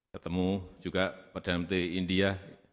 ketemu juga perdana menteri india